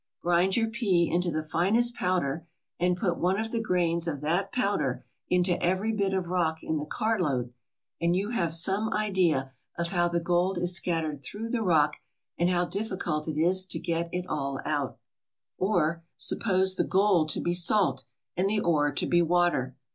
Grind your pea into the finest powder and put one of the grains of that powder into every bit of rock in the cartload and you have some idea of how the gold is scattered through the rock and how difficult it is to get it all out. 79 ALASKA OUR NORTHERN WONDERLAND Or suppose the gold to be salt, and the ore to be water.